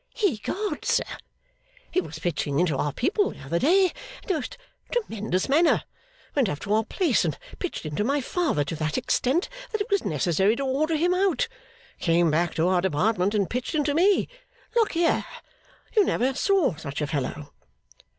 'Ecod, sir, he was Pitching into our people the other day in the most tremendous manner. Went up to our place and Pitched into my father to that extent that it was necessary to order him out. Came back to our Department, and Pitched into me. Look here. You never saw such a fellow.